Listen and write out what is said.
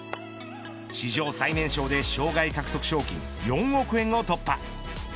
史上最年少で生涯獲得賞金４億円を突破。